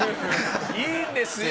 いいんですよ！